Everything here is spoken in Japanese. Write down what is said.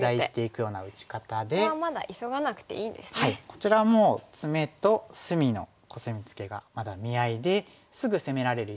こちらもツメと隅のコスミツケがまだ見合いですぐ攻められる石ではないですね。